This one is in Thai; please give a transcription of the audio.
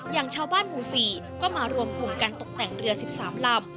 อย่างชาวบ้านหมู่๔ก็มารวมกลุ่มกันตกแต่งเรือ๑๓ลำ